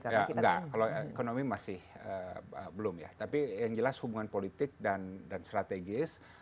ya enggak kalau ekonomi masih belum ya tapi yang jelas hubungan politik dan strategis